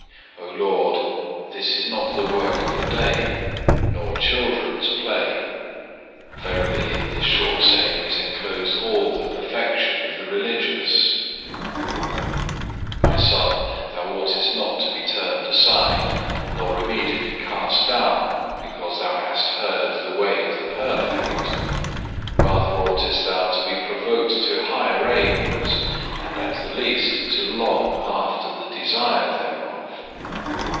2. O Lord, this is not the work of a day, nor children's play; verily in this short saying is enclosed all the perfection of the religious. 3. "My son, thou oughtest not to be turned aside, nor immediately cast down, because thou hast heard the way of the perfect. Rather oughtest thou to be provoked to higher aims, and at the least to long after the desire thereof.